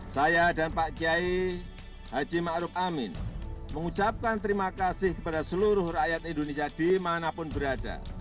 saya dan pak kiai haji ⁇ maruf ⁇ amin mengucapkan terima kasih kepada seluruh rakyat indonesia dimanapun berada